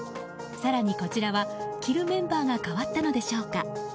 更にこちらは、着るメンバーが変わったのでしょうか？